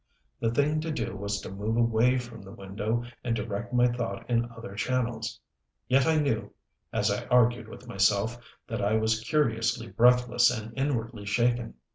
The thing to do was to move away from the window and direct my thought in other channels. Yet I knew, as I argued with myself, that I was curiously breathless and inwardly shaken.